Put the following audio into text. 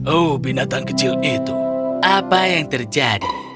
oh binatang kecil itu apa yang terjadi